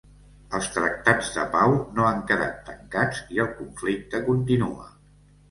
Els tractats de pau no han quedat tancats i el conflicte continua.